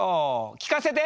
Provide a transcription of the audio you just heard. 聞かせて！